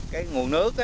cái nguồn nước